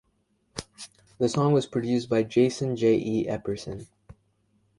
The song was produced by Jason "Jay E" Epperson.